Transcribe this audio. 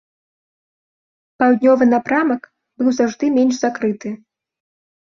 Паўднёвы напрамак быў заўжды менш закрыты.